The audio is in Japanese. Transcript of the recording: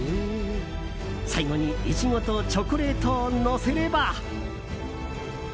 最後にイチゴとチョコレートをのせれば。